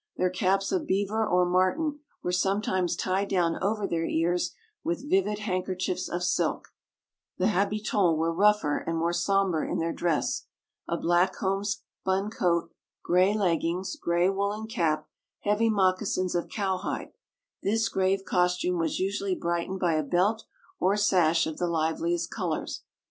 Their caps of beaver or martin were sometimes tied down over their ears with vivid handkerchiefs of silk. The habitants were rougher and more sombre in their dress. A black homespun coat, gray leggings, gray woollen cap, heavy moccasins of cowhide, this grave costume was usually brightened by a belt or sash of the liveliest colours.